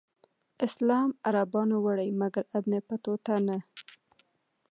اسلام عربانو وړی مګر ابن بطوطه نه.